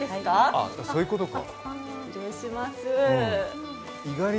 ああ、そういうことか。